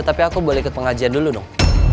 tapi aku boleh ikut pengajian dulu dong